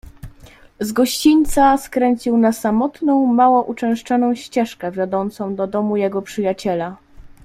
"Z gościńca skręcił na samotną, mało uczęszczaną ścieżkę, wiodącą do domu jego przyjaciela."